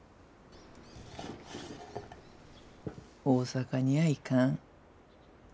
大阪にや行かん。